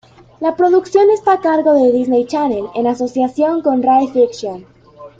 La producción está a cargo de Disney Channel en asociación con Rai Fiction.